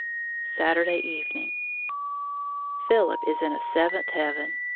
Saturday Evening. Philip is in a seventh heaven.